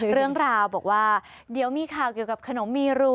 เรื่องราวบอกว่าเดี๋ยวมีข่าวเกี่ยวกับขนมมีรู